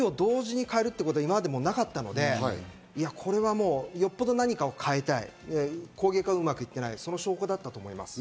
この２人を同時に代えるってことは今までなかったので、これはもうよっぽど何かを変えたい、攻撃がうまくいってない、その証拠だったと思います。